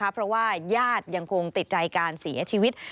เพราะว่าญาติยังคงติดใจการเสียชีวิต